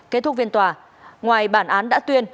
kết thúc viên tòa ngoài bản án đã tuyên